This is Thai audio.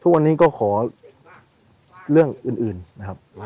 ทุกวันนี้ก็ขอเรื่องอื่นนะครับ